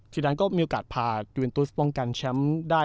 สีดำก็มีโอกาสพายูวินตุ๊กป้องกันแชมป์ได้